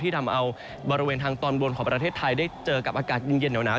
ทำเอาบริเวณทางตอนบนของประเทศไทยได้เจอกับอากาศเย็นหนาว